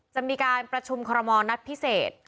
จะมีการประชุมคอรมอลนัดพิเศษ